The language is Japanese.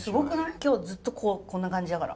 今日ずっとこんな感じだから。